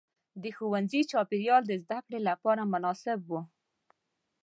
د ښوونځي چاپېریال د زده کړې لپاره مناسب و.